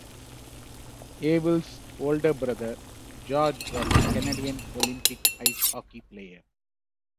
Abel's older brother, George was a Canadian Olympic ice hockey player.